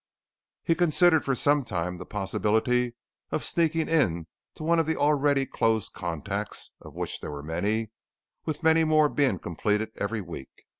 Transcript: He considered for some time the possibility of sneaking in to one of the already closed contacts, of which there were many, with many more being completed every week.